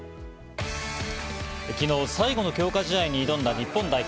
昨日、最後の強化試合に挑んだ日本代表。